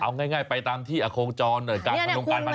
เอาง่ายไปตามที่อโคจรจากพันธุ์ลงการประดับพวกนี้